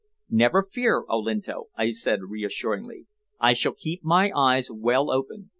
"Never fear, Olinto," I said reassuringly. "I shall keep my eyes well open.